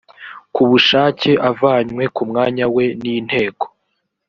ku bushake avanywe ku mwanya we n inteko